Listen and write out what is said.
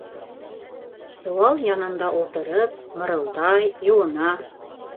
— Сыуал янында ултырып мырылдай, йыуына.